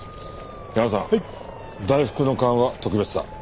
ヤマさん大福の勘は特別だ。